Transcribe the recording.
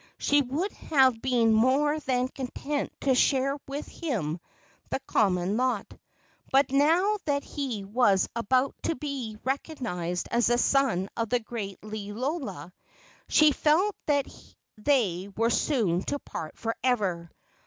She would have been more than content to share with him the common lot; but now that he was about to be recognized as the son of the great Liloa, she felt that they were soon to part for ever.